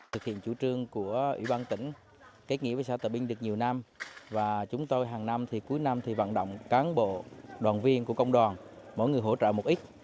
thực hiện chủ trương của ủy ban tỉnh kết nghĩa với xã trà vinh được nhiều năm và chúng tôi hàng năm thì cuối năm thì vận động cán bộ đoàn viên của công đoàn mỗi người hỗ trợ một ít